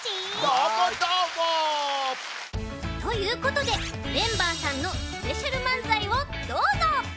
どーもどーも！ということでメンバーさんのスペシャルまんざいをどうぞ！